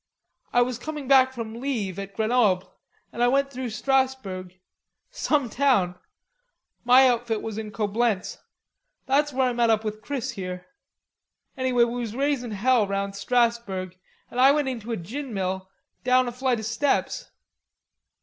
I was comin' back from leave at Grenoble, an' I went through Strasburg. Some town. My outfit was in Coblenz. That's where I met up with Chris here. Anyway, we was raisin' hell round Strasburg, an' I went into a gin mill down a flight of steps.